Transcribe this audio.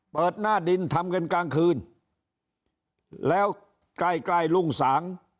หน้าดินทำกันกลางคืนแล้วใกล้ใกล้รุ่งสาง